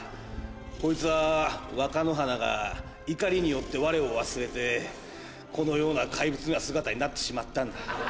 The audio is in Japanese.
こいつは若乃花が怒りによって我を忘れてこのような怪物の姿になってしまったんだ。